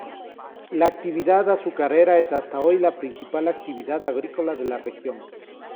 La actividad azucarera es hasta hoy la principal actividad agrícola de la región.